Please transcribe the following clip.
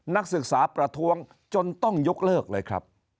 นักศึกษาประท้วงจนต้องยกเลิกเลยครับ